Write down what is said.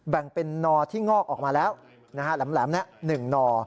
แบ่งเป็นนอที่งอกออกมาแล้วแหลม๑นอ